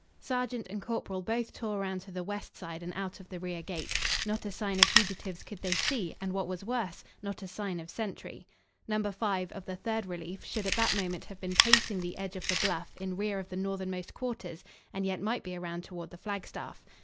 Sergeant and corporal both tore around to the west side and out of the rear gate. Not a sign of fugitives could they see, and, what was worse, not a sign of sentry. Number 5, of the third relief, should at that moment have been pacing the edge of the bluff in rear of the northernmost quarters, and yet might be around toward the flagstaff.